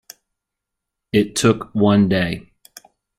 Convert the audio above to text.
It took one day.